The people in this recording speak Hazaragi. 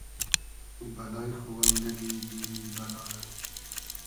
بئلای خو ام نئگی بیمی بئلا رۂ